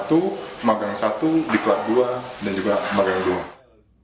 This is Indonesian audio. di gelombang satu magang satu dikelas dua dan juga magang dua